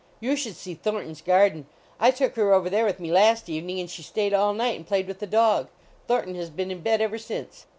You should see Thornton s garden. I took her over there with me last evening, and she stayed all night and played with the dog. Thornton has been in bed ever since."